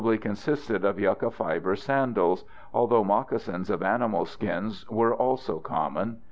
Footwear probably consisted of yucca fiber sandals, although moccasins of animal skins were also common.